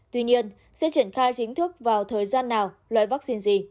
tuy nhiên sẽ triển khai chính thức vào thời gian nào loại vắc xin gì